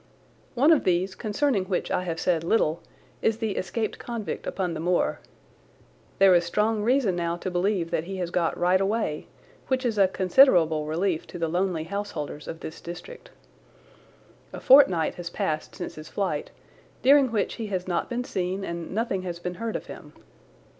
One of these, concerning which I have said little, is the escaped convict upon the moor. There is strong reason now to believe that he has got right away, which is a considerable relief to the lonely householders of this district. A fortnight has passed since his flight, during which he has not been seen and nothing has been heard of him.